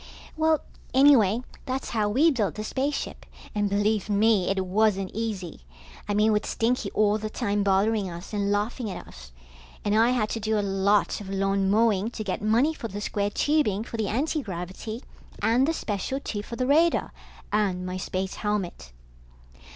Well, anyway, that's how we built the spaceship, and believe me, it wasn't easy. I mean with Stinky all the time bothering us and laughing at us. And I had to do a lot of lawn mowing to get money for the square tubing for the antigravity and the special tube for the radar, and my space helmet.